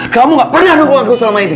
kamu gak pernah dukung aku selama ini